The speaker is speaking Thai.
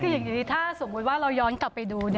คืออย่างนี้ถ้าสมมุติว่าเราย้อนกลับไปดู